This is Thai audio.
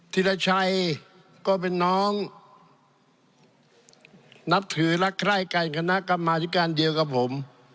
ธิรชัยก็เป็นน้องนับถือรักใคร่กันคณะกรรมาธิการเดียวกับผม